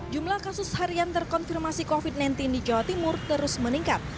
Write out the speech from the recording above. jumlah kasus harian terkonfirmasi covid sembilan belas di jawa timur terus meningkat